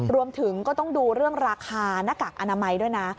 รวมถึงก็ต้องดูเรื่องราคาหน้ากากอนามัยด้วยนะ